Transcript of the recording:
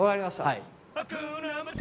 はい。